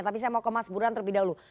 tapi saya mau ke mas burhan terlebih dahulu